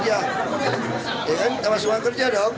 ya kan tambah semangat kerja dong